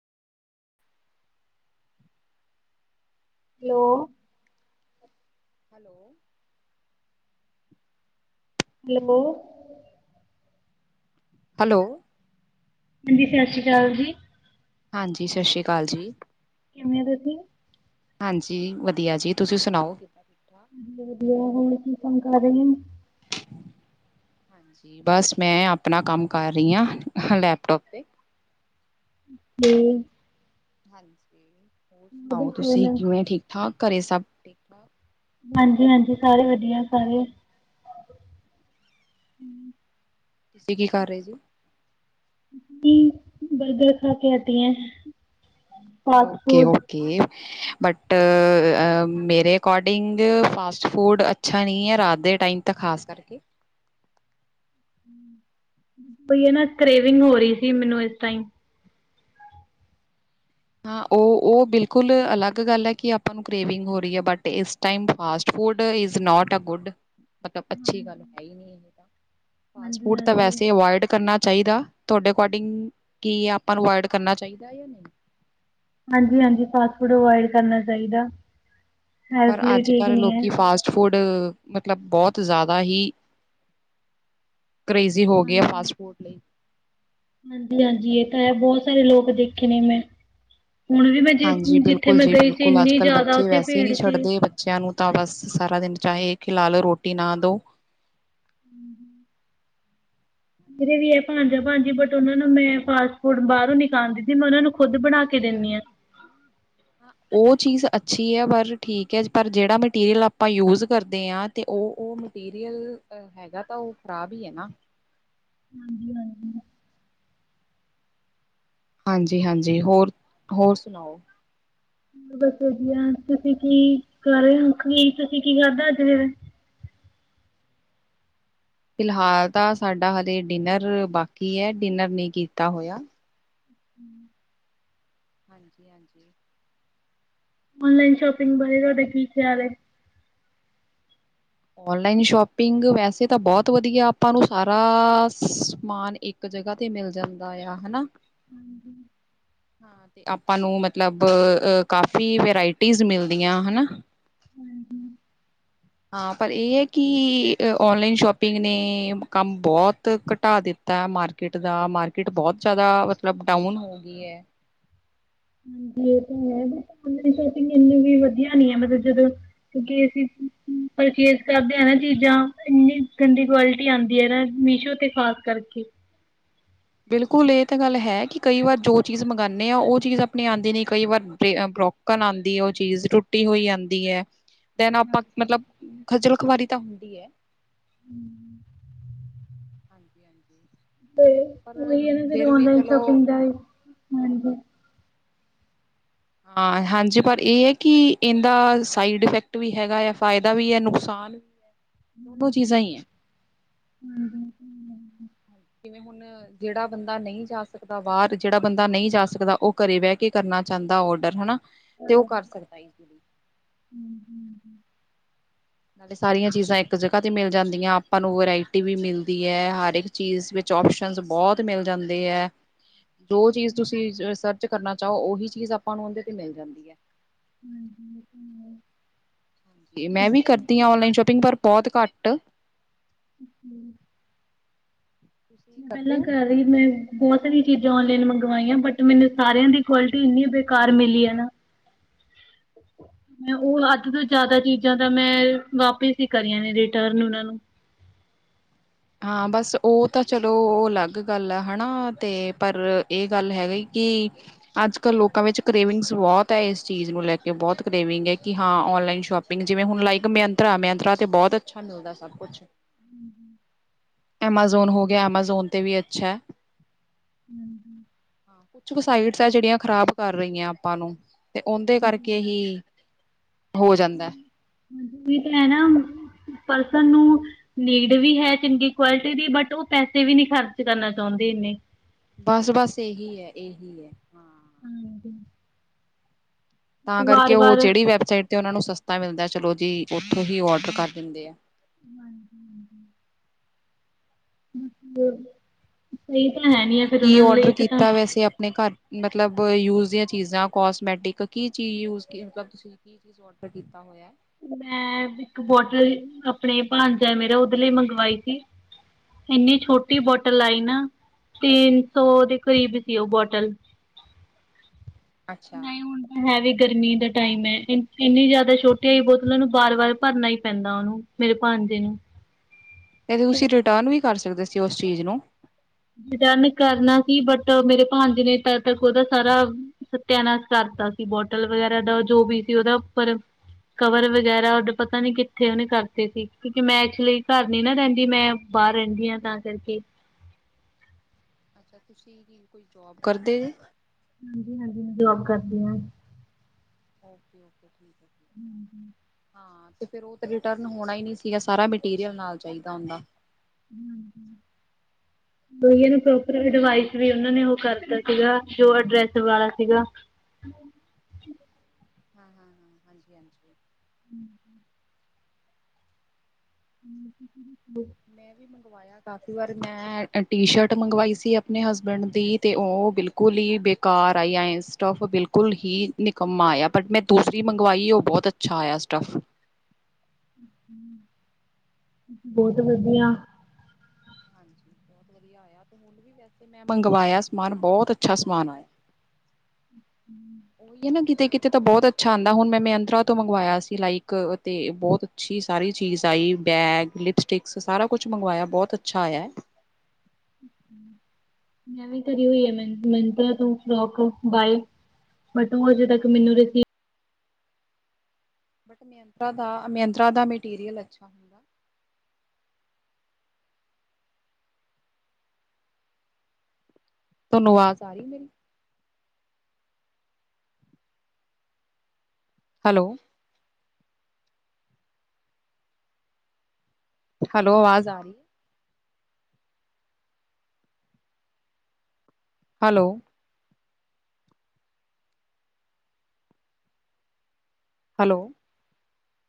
Hello. Hello. Hello. Hello. ਦੀਦੀ ਸਤਿ ਸ਼੍ਰੀ ਅਕਾਲ ਜੀ। ਹਾਂਜੀ ਸਤ ਸ੍ਰੀ ਅਕਾਲ ਜੀ। ਕਿਵੇਂ ਤੁਸੀਂ। ਹਾਂਜੀ ਵਧੀਆ ਜੀ ਤੁਸੀਂ ਸੁਣਾਓ। ਵਧੀਆ-ਵਧੀਆ ਹੋਰ ਕੀ ਕੰਮ ਕਰ ਰਹੇ ਹੋ। ਹਾਂਜੀ ਬਸ ਮੈਂ ਆਪਣਾ ਕੰਮ ਕਰ ਰਹੀ ਹਾਂ ਲੈਪਟੋਪ ਤੇ। ਤੇ। ਹਾਂਜੀ ਹੋਰ ਸੁਣਾਓ ਤੁਸੀਂ ਕਿਵੇਂ ਠੀਕ ਠਾਕ ਘਰੇ ਸਭ ਠੀਕ ਠਾਕ। ਹਾਂਜੀ ਹਾਂਜੀ ਸਾਰੇ ਵਧੀਆ ਸਾਰੇ। ਤੁਸੀਂ ਕੀ ਕਰ ਰਹੇ ਜੀ। ਜ ਬਰਗਰ ਖਾ ਕੇ ਹਟੀ ਹਾਂ। ਹੋਰ ਕਿਉਂਕਿ। ਬਟ ਮੇਰੇ ਅਕੋਡਿੰਗ ਫਾਸਟ ਫੂਡ ਅੱਛਾ ਨਹੀਂ ਹੈ ਰਾਤ ਦੇ। ਟਾਈਮ ਤਾਂ ਖਾਸ ਕਰਕੇ। ਓਇ ਹੈ ਨਾ ਕਰੇਵਿੰਗ ਹੋ ਰਹੀ ਸੀ ਮੈਨੂੰ ਇਸ ਟਾਈਮ। ਹਾਂ ਉਹ ਉਹ ਬਿਲਕੁਲ ਅਲੱਗ ਗੱਲ ਹੈ ਕਿ ਆਪਾਂ ਨੂੰ ਕਰੇਵਿੰਗ ਹੋ ਰਹੀ ਹੈ ਬਟ ਇਸ time fast. Food is not a good. ਮਤਲਬ ਅੱਛੀ ਗੱਲ ਹੈ ਹੀ ਨਹੀ ਇਹ ਤਾਂ ਫਾਸਟ ਫੂਡ ਤਾਂ ਹਾਂਜੀ-ਹਾਂਜੀ। ਵੈਸੇ ਅਵੋਇਡ ਕਰਨਾ । ਚਾਹੀਦਾ ਤੁਹਾਡੇ ਅਕੋਡਿੰਗ ਕੀ ਆਪਾਂ ਨੂੰ ਅਵੋਇਡ ਕਰਨਾ ਚਾਹੀਦਾ ਯਾ ਨਹੀਂ। ਹਾਂਜੀ ਹਾਂਜੀ ਫਾਸਟ ਫੂਡ ਅਇਡ ਕਰਨਾ ਚਾਹੀਦਾ। ਪਰ ਹੈਲਥ ਲਈ ਅੱਜ ਠੀਕ ਕੱਲ੍ਹ ਨਹੀਂ ਹੈ। ਲੋਕੀ ਫਾਸਟ ਫੂਡ ਮਤਲਬ ਬਹੁਤ ਜ਼ਿਆਦਾ ਹੀ ਕਰੇਜ਼ੀ ਹੋ ਗਈ ਆ ਫਾਸਟ ਫੂਡ ਲਈ। ਹਾਂਜੀ ਹਾਂਜੀ ਇਹ ਤਾਂ ਹੈ ਬਹੁਤ ਸਾਰੇ ਲੋਕ ਦੇਖੇ ਨੇ ਮੈਂ। ਹੁਣ ਵੀ ਮੈਂ ਜ ਹਾਂਜੀ ਜਿੱਥੇ ਬਿਲਕੁਲ ਮੈਂ ਜੀ ਗਈ ਸੀ ਬਿਲਕੁਲ ਅੱਜ ਇੰਨੀ ਕੱਲ੍ਹ ਜ਼ਿਆਦਾ ਬੱਚੇ ਉੱਥੇ ਵੈਸੇ ਹੀ ਭੀੜ ਨਹੀਂ ਸੀ। ਛੱਡਦੇ ਬੱਚਿਆਂ ਨੂੰ ਤਾਂ ਬਸ ਸਾਰਾ ਦਿਨ ਚਾਹੇ ਖਿਲਾ ਲਓ ਰੋਟੀ ਨਾ ਦਿਓ। ਮੇਰੇ ਵੀ ਹੈ ਭਾਣਜਾ ਭਾਜੀ ਬਟ ਉਹਨਾਂ ਨੂੰ ਮੈਂ ਫਾਸਟ ਫੂਡ ਬਾਹਰੋਂ ਨੀ ਖਾਣ ਦਿੰਦੀ ਮੈਂ ਉਹਨਾ ਨੂੰ ਖੁਦ ਬਣਾ ਕੇ। ਕਿਨ ਆ। ਉਹ ਚੀਜ਼ ਅੱਛੀ ਹੈ ਪਰ ਠੀਕ ਹੈ ਪਰ ਜਿਹੜਾ ਮੇਟੀ ਰਿਆਲ ਆਪਾਂ ਯੂਜ਼ ਕਰਦੇ ਹਾਂ ਤੇ। ਤੇ ਉਹ ਮਟੀਰੀਅਲ ਹੈਗਾ ਤਾਂ ਉਹ ਖ਼ਰਾਬ ਹੀ ਹੈ ਨਾ। ਹਾਂਜੀ ਹਾਂਜੀ। ਹਾਂਜੀ ਹਾਂਜੀ ਹੋਰ ਹੋਰ ਸੁਣਾਓ। ਬਸ ਵਧੀਆ ਤੁਸੀਂ ਕੀ ਕਰ ਰਹੇ ਹੋ ਉਠ ਗਏ ਕੀ ਤੁਸੀਂ ਕੀ [inaudible] [unintelligible] ਫਿਲਹਾਲ ਤਾਂ ਸਾਡਾ ਹਾਲੇ ਡਿਨਰ ਬਾਕੀ ਹੈ ਡਿਨਰ ਨਹੀਂ ਕੀਤਾ ਹੋਇਆ। ਹਮ। ਹਾਂਜੀ ਹਾਂਜੀ ਓਨਲਾਈਨ ਸ਼ੋਪਿੰਗ ਬਾਰੇ ਤੁਹਾਡਾ ਕੀ ਖ਼ਿਆਲ ਹੈ। ਓਨਲਾਈਨ ਸ਼ੋਪਿੰਗ ਵੈਸੇ ਤਾਂ ਬਹੁਤ ਵਧੀਆ ਆਪਾਂ ਨੂੰ ਸਾਰਾ ਸਮਾਨ ਇੱਕ ਜਗ੍ਹਾ ਤੇ ਮਿਲ ਜਾਂਦਾ ਆ ਹਨਾ। ਹਾਂਜੀ। ਹਾਂ ਤੇ ਆਪਾਂ ਨੂੰ ਮਤਲਬ ਕਾਫੀ ਵਰਾਇਟੀਜ਼ ਮਿਲਦੀਆਂ ਹਨਾ। ਹਾਂ ਪਰ ਇਹ ਹੈ ਕਿ ਔਨਲਾਈਨ ਸ਼ੋਪਿੰਗ ਨੇ ਕੰਮ ਬਹੁਤ ਘਟਾ ਦਿੱਤਾ। ਤਾ ਮਾਰਕੀਟ ਦਾ ਮਾਰਕੀਟ ਬਹੁਤ ਜਿਆਦਾ ਮਤਲਬ ਡਾਊਨ ਹੋ ਗਈ ਹੈ। ਹਾਂਜੀ ਇਹ ਤਾਂ ਹੈ ਬਸ ਆਨਲਾਈਨ ਸ਼ੋਪਿੰਗ ਇਹਨੂੰ ਵੀ ਵਧੀਆ ਨੀ ਹੈ ਮਤਲਬ ਜਦੋਂ ਕਿਉਂਕ ਅਸੀ ਪਰਚੇਸ ਕਰਦੇ ਆ ਨਾ ਚੀਜ਼ਾਂ ਇੰਨੀ ਗੰਦੀ ਕੁਆਲਿਟੀ ਆਉਂਦੀ ਨਾ ਮੀਸ਼ੋ ਤੇ ਖ਼ਾਸ ਕਰਕੇ। [unintelligible] ਬਿਲਕੁਲ ਇਹ ਤਾਂ ਗੱਲ ਹੈ ਕਿ ਕਈ ਵਾਰ ਜੋ ਚੀਜ਼ ਮੰਗਉਂਦੇ ਆ ਉਹ ਚੀਜ਼ ਆਪਣੀ ਆਉਂਦੀ ਨ ਕਈ ਵਾਰ ਰੋਕਣ ਆਉਂਦੀ ਹੈ ਉਹ ਚੀਜ਼ ਟੁੱਟੀ ਹੋਈ ਆਉਂਦੀ ਹੈ। ਦਿਨ ਆਪਾਂ ਹਾਂਜੀ। ਮਤਲਬ ਖਜਲ ਖੁਆਰੀ ਤਾਂ ਹੁੰਦੀ ਹੈ। ਹਮ ਹਾਂਜੀ ਹਾਂਜੀ ਤੇ ਪਰ ਉਹੀ ਹੈ ਨਾ ਫਿਰ ਵੀ ਆਨਲਾਈਨ ਚਲੋ ਸ਼ੋਪਿੰਗ ਦਾ ਏ ਹਾਂਜੀ। ਹਾਂ ਹਾਂਜੀ ਪਰ ਇਹ ਹੈ ਕਿ ਇਹਦਾ ਸਾਈਡ ਇਫੈਕਟ ਵੀ ਹੈਗਾ ਹੈ ਫਾਇਦਾ ਵੀ ਹੈ ਨੁਕਸਾਨ [inaudible] ਚੀਜ਼ਾਂ ਹੀ ਹੈ। [unintelligible] ਹੁਣ ਜਿਹੜਾ ਬੰਦਾ ਨਹੀਂ ਜਾ ਸਕਦਾ ਬਾਹਰ ਜਿਹੜਾ ਬੰਦਾ ਨਹੀਂ ਜਾ ਸਕਦਾ ਉਹ ਘਰੇ ਬਹਿ ਕੇ ਕਰਨਾ ਚਾਹੁੰਦਾ ਦਾ ਔਡਰ ਹਨਾ। ਤੇ ਉਹ ਕਰ ਸਕਦਾ ਈਜ਼ਲੀ [unintelligible] ਨਾਲੇ ਸਾਰੀਆਂ ਚੀਜ਼ਾਂ ਇੱਕ ਜਗ੍ਹਾ ਤੇ ਮਿਲ ਜਾਂਦੀਆਂ ਆਪਾਂ ਨੂੰ ਵਰਾਇਟੀ ਵੀ ਮਿਲਦੀ ਹੈ ਹਰਕ ਚੀਜ਼ ਵਿਚ ਆਪਸ਼ਨ ਬਹੁਤ ਮਿਲ ਜਾਂਦੇ ਹੈ [unintelligible] ਜੋ ਚੀਜ਼ ਤੁਸੀਂ ਸਰਚ ਕਰਨਾ ਚਾਹੋ ਉਹੀ ਚੀਜ਼ ਆਪਾਂ ਨੂੰ ਉਹਦੇ ਤੇ ਮਿਲ ਜਾਂਦੀ ਹੈ। [inaudible] ਮੈਂ ਵੀ ਕਰਦੀ ਹਾਂ ਔਨਲਾਈਨ ਸ਼ੋਪਿੰਗ ਪਰ ਬਹੁਤ ਘੱਟ [unintelligible] ਤੁਸੀਂ ਮੈਂ ਪਹਿਲਾਂ ਕਰਦੇ ਹੋ ਕਰ ਰਹੀ ਮੈਂ ਬਹੁਤ ਸਾਰੀਆਂ ਚੀਜ਼ਾਂ ਔਨਲਾਈਨ ਮੰਗਵਾਈਆਂ, ਬਟ ਮੈਨੂੰ ਸਾਰਿਆਂ ਦੀ ਕੁਆਲਿਟੀ ਇੰਨੀ ਬੇਕਾਰ ਮਿਲੀ ਐ ਨਾ [unintelligible] ਉਹ ਅੱਧ ਤੋਂ ਜ਼ਿਆਦਾ ਚੀਜ਼ਾਂ ਤਾਂ ਮੈਂ, ਵਾਪਿਸ ਹੀ ਕਰੀਆਂ ਨੇ ਰਿਟਰਨ ਉਹਨਾਂ ਨੂੰ। ਹਾਂ ਬਸ ਉਹ ਤਾਂ ਚਲੋ ਅਲੱਗ ਗੱਲ ਐ ਹੈਨਾ, ਤੇ ਪਰ ਇਹ ਗੱਲ ਹੈ ਕਿ ਅੱਜ-ਕਲ ਲੋਕਾਂ ਵਿੱਚ ਕਰੇਵਿੰਗ ਬਹੁਤ ਹੈ, ਇਸ ਚੀਜ਼ ਨੂੰ ਲੈ ਕੇ ਬਹੁਤ ਕਰੇਵਿੰਗ ਹੈ ਕਿ ਹਾਂ ਆਨਲਾਈਨ ਸ਼ਾਪਿੰਗ ਜਿਵੇ ਹੁਣ ਲਾਇਕ ਮਯੀਂਤਰਾ ਮਈਂਤਰਾ ਬਹੁਤ ਅੱਛਾ ਮਿਲਦਾ ਸਭ ਕੁਛ। । [unintelligible] ਐਮਾਜ਼ੋਨ ਹੋ ਗਿਆ ਐਮਾਜ਼ੋਨ 'ਤੇ ਵੀ ਅੱਛਾ ਹੈ। [unintelligible] ਕੁਛ ਕੁ ਸਾਈਟਸ ਆ ਜਿਹੜੀਆਂ ਖ਼ਰਾਬ ਕਰ ਰਹੀਆਂ ਆਪਾਂ ਨੂੰ ਤੇ ਉਹਦੇ ਹਾਂਜੀ ਕਰਕੇ ਹੀ ਹੋ ਜਾਂਦਾ। ਵੀ ਤੇ ਹੈ ਨਾ ਪਰਸਨ ਨੂੰ ਨੀਡ ਵੀ ਹੈ ਚੰਗੀ ਕੁਆਲਿਟੀ ਦੀ ਬਟ ਉਹ ਪੈਸੇ ਵੀ ਨਹੀਂੀ ਖਰਚ ਕਰਨਾ ਚਾਹੁੰਦੇ ਨੇ। ਬਸ ਬਸ ਇਹੀ ਹੈ ਇਹੀ ਹੈ ਹਾਂ। ਹਾਂਜੀ। ਤਾਂ ਕਰਕੇ ਉਹ ਵਾਰ-ਵਾਰ ਜਿਹੜੀ ਵੈਬਸਾਈਟ ਤੇ ਉਹਨਾ ਨੂੰ ਸਸਤਾ ਮਿਲਦਾ ਚਲੋ ਜੀ ਉਓਥੋਂ ਹੀ ਔਡਰ ਕਰ ਦਿੰਦੇ ਆ। ਹਾਂਜੀ ਹਾਂਜੀ। ਹਮ ਬੋਲੋ ਤੁਸੀਂ ਕੀ ਕੀ ਓਡਰ ਕੀਤਾ ਵੈਸੇ ਆਪਣੇ ਘਰ। ਮਤਲਬ ਯੂਜ ਦੀਆਂ ਚੀਜ਼ਾਂ ਕੋਸਮੈਟਿਕ ਕੀ ਚੀਜ਼ ਯੂਜ਼ ਕੀ ਮਤਲਬ ਤੁਸੀਂ ਕੀ ਚੀਜ਼ ਔਡਰ ਕੀਤਾ ਹੋਇਆ। ਮੈਂ ਇੱਕ ਬੋਟਲ ਲਈ ਆ ਇੰਨੀ ਛੋਟੀ ਬੋਟਲ ਆਈ ਨਾ ਤਿੰਨ ਸੌ ਦੇ ਕਰੀਬ ਸੀ ਔ ਬੋਟਲ। ਅੱਛਾ। ਨਹੀਂ ਹੁਣ ਤਾਂ ਹੈ ਵੀ ਗਰਮੀ ਦਾ ਟਾਈਮ ਹੈ, ਇੰਨੀ ਜ਼ਿਆਦਾ ਛੋ ਕਈ ਬੋਤਲਾਂ ਨੂੰ ਵਾਰ-ਵਾਰ ਭਰਨਾ ਹੀ ਪੈਂਦਾ ਉਹਨੂੰ ਮੇਰੇ ਭਾਂਣਜੇ ਨੂੰ। ਇਹ ਤੁਸੀਂ ਰਿਟਰਨ ਵੀ ਕਰ ਸਕਦੇ ਸੀ, ਉਸ ਚੀਜ਼ ਨੂੰ। ਰਿਟਰਨ ਕਰਨਾ ਸੀ, ਬਟ ਮੇਰੇ ਭਾਣਜੇ ਨੇ ਤਦ ਤੱਕ ਉਹਦਾ ਸਾਰਾ ਸਤਿਆਨਾਸ਼ ਕਰਤਾ। ਬੋਟਲ ਵਗੈਰਾ ਦਾ ਜੋ ਵੀ ਸੀ, ਉਹਦਾ ਉੱਪਰ ਕਵਰ ਵਗੈਰਾ ਉਡੇ ਪਤਾ ਨੀ ਕਿੱਥੇ ਉਹਨੇ ਕਰਦੇ ਸੀ, ਕਿਉਂਕਿ ਮੈਂ ਏਕਚੁਲੀ ਘਰ ਨੀ ਨਾ ਰਹਿੰਦੀ ਮੈਂ ਬਾਹਰ ਰਹਿੰਦੀ ਆ ਤਾਂ ਕਰਕੇ। ਤੁਸੀ, ਕੋਈ ਜੋਬ ਕਰਦੇ ਜੇ? ਹਾਂਜੀ-ਹਾਂਜੀ ਮੈਂ ਜੋਬ ਕਰਦੀ ਹਾਂ। ਓਕੇ ਓਕੇ, ਠੀਕ ਹੈ। ਠੀਕ ਹੈ। ਹੂੰ-ਹੂੰ। ਹਾਂ, ਤੇ ਫਿਰ ਉਹ ਰਿਟਰਨ ਹੋਣਾ ਹੀ ਨਹੀਂ ਸੀਗਾ, ਸਾਰਾ ਮਟੀਰੀਅਲ ਨਾਲ ਹੋਣਾ ਚਾਹੀਦਾ। ਹੂੰ-ਹੂੰ। ਏ ਨੂੰ ਪ੍ਰੋਪਰ ਹਾਂ ਅਡਵਾਈਸ ਵੀ ਉਹਨਾਂ ਨੇ ਉਹ ਕਰਤਾ ਸੀਗਾ, ਜੋ ਅਡਰੈਸ ਵਾਲਾ ਸੀਗਾ। ਹਾਂ-ਹਾਂ-ਹਾਂ, ਹਾਂਜੀ-ਹਾਂਜੀ। ਹੂੰ, ਹੂੰ, ਮੈਂ ਵੀ ਮੰ ਮੰਗਵਾਇਆ ਕਾਫ਼ੀ ਵਾਰ, ਮੈਂ ਟੀ ਸ਼ਰਟ ਮੰਗਵਾਈ ਸੀ, ਆਪਣੇ ਹਸਬੈਂਡ ਦੀ ਤੇ ਉਹ ਬਿਲਕੁਲ ਹੀ ਬੇਕਾਰ ਆਈ, ਸਟਫ ਬਿਲਕੁਲ ਹੀ ਨਿਕੰਮਾ ਆਇਆ ਬਟ, ਮੈਂ ਦੂਸਰੀ ਮੰਗਵਾਈ ਉਹ ਬਹੁਤ ਅੱਛਾ ਆਇਆ। ਸਟਫ। ਬਹੁਤ ਵਧੀਆ। ਬਤ ਵਧੀਆ ਆਇਆ, ਹੁਣ ਵੀ ਵੈਸੇ ਮੈਂ ਮੰਗਵਾਇਆ ਸਮਾਨ ਬਹੁਤ ਅੱਛਾ ਸਮਾਨ ਆਇਆ। ਉਹੀ ਹੈ ਨਾ, ਕਿਤੇ ਕਿਤੇ ਤਾਂ ਬਹੁਤ ਅੱਛਾ ਆਦਾ ਹੁਣ ਮੈਂ ਮੰਤਰਾ ਤੋਂ ਮੰਗਵਾਇਆ ਸੀ ਲਾਈਕ ਤੇ ਬਹੁਤ ਅੱਛੀ। ਸਾਰੀ ਚੀਜ਼ ਆਈ ਬੈਗ, ਲਿਪਸਟਿਕਸ, ਸਾਰਾ ਕੁਛ ਮੰਗਵਾਇਆ ਬਹੁਤ ਅੱਛਾ ਆਇਆ। ਅਮ ਹੂਂ। ਮੈਂ ਵੀ ਤੇ [unintelligible] ਮ ਮਿੰਤਰਾ ਤੋਂ ਫਰੋਕ ਬਾਏ ਬਟ, ਉਹ ਅਜੇ ਤੱਕ ਹਾਂਜੀ ਮੈਨੂੰ ਰਸੀ ਬਟ ਮਿਯੰਤਰਰਾ ਦਾ ਅ-ਮਿਅੰਤਰਰਾ ਦਾ ਮਟੀਰੀਅਲ ਅੱਛਾ ਹੁੰਦਾ। ਤੋਨੂੰ ਵਾਜ਼ ਆ ਰੀ ਮੇਰੀ? ਹੈਲੋ ਹੈਲੋ, ਵਾਜ਼ ਆ ਰੀ? ਹੈਲੋ? ਹੈਲੋ,